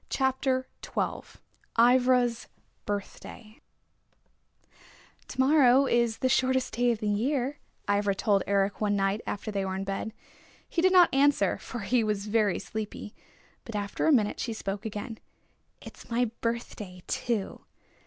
CHAPTER XII IVRA'S BIRTHDAY "To morrow is the shortest day in the year," Ivra told Eric one night after they were in bed. He did not answer, for he was very sleepy. But after a minute she spoke again. "It's my birthday too!"